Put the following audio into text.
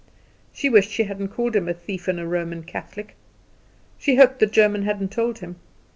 She wished she hadn't called him a thief and a Roman Catholic. She hoped the German hadn't told him.